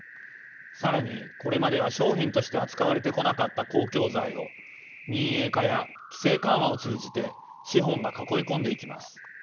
更にこれまでは商品として扱われてこなかった公共財を民営化や規制緩和を通じて資本が囲い込んでいきます。